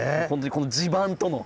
この地盤との！